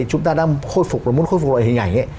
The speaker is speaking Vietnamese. chúng ta đang muốn khôi phục loại hình ảnh